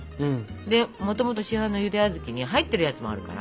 でもともと市販のゆで小豆に入っているやつもあるから。